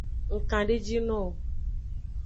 Ng kandejinowo.